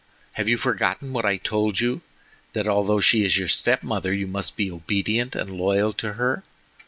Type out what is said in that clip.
Have you forgotten what I told you, that although she is your step mother you must be obedient and loyal to her?